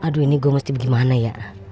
aduh ini gue mesti bagaimana ya